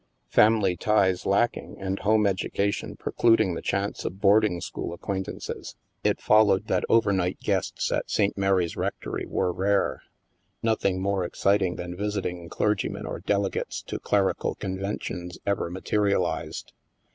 Family ties lacking, and home education preclud ing the chance of boarding school acquaintances, it 56 THE MASK followed that over night guests at St. Mary's Rec tory were rare. Nothing more exciting than visit ing clergymen or delegates to clerical conventions ever materialized.